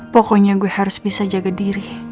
pokoknya gue harus bisa jaga diri